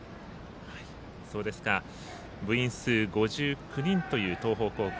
部員数５９人という東邦高校。